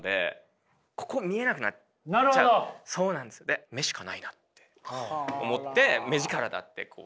で目しかないなって思って目力だって。